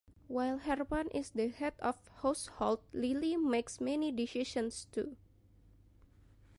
While Herman is the head of household, Lily makes many decisions, too.